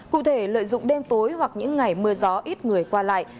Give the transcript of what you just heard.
cụ thể lợi dụng đêm tối hoặc những ngày mưa gió ít người qua lại